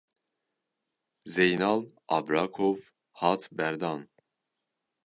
Zeynal Abrakov hat berdan.